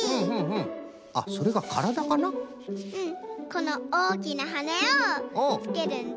このおおきなはねをつけるんだ。